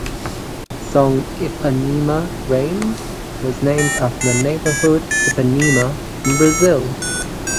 The song "Ipanema Rain" was named after the neighborhood Ipanema in Brazil.